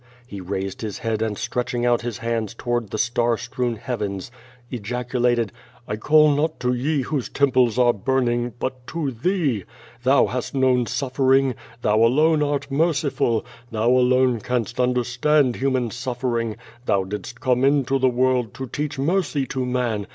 *' He raised liis head and stretching out his hands towards the star strewn Heavens, ejaculated: "1 call not to ye whoso tomi)les are burning, but to Thee. Thou hast known suffer ing! Thou alone art merciful! Thou alone canst understand human suffering! Thou didst come into the world to teach mercy to man!